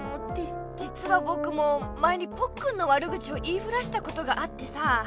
じつは僕も前にポッくんの悪口を言いふらしたことがあってさ。